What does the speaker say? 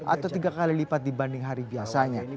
atau tiga kali lipat dibanding hari biasanya